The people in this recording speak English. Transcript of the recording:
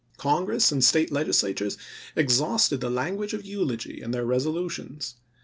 Congress and State Legislatures exhausted the language of eulogy in their resolutions.